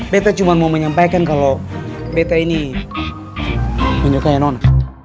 bete cuman mau menyampaikan kalo bete ini punya kayak nona